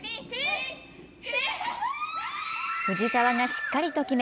藤澤がしっかりと決め